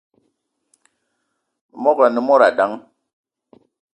Memogo ane mod dang